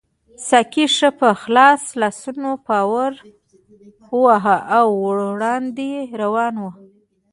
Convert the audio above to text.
ساقي ښه په خلاصو لاسونو پارو واهه او وړاندې روان وو.